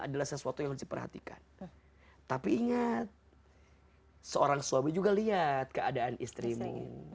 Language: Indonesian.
adalah sesuatu yang diperhatikan tapi ingin hai seorang suami juga lihat keadaan istrimu